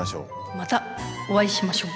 またお会いしましょう。